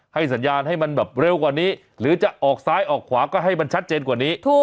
สัญญาณให้มันแบบเร็วกว่านี้หรือจะออกซ้ายออกขวาก็ให้มันชัดเจนกว่านี้